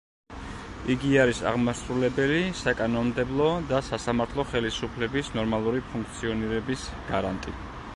იგი არის აღმასრულებელი, საკანონმდებლო და სასამართლო ხელისუფლების ნორმალური ფუნქციონირების გარანტი.